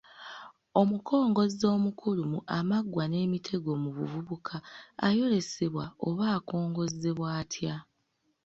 Omukongozzi omukulu mu “Amaggwa n’emitego mu buvubuka” ayolesebwa oba akongozzebwa atya?